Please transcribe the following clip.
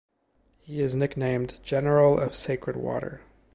He is nicknamed "General of Sacred Water".